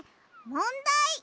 もんだい！